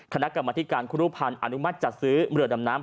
คณะกรรมธิการครูรุภัณฑ์อนุมัติจัดซื้อเรือดำน้ำ